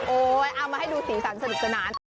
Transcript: โอ๊ยเอามาให้ดูสีสันเสร็จจะนาน